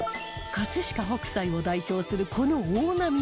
飾北斎を代表するこの大波の浮世絵